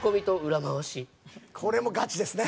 これもガチですね。